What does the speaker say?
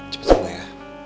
cepet banget ya